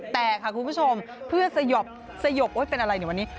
แต่ค่ะคุณผู้ชมเพื่อสยบสยบเป็นอะไรเนี่ยวันนี้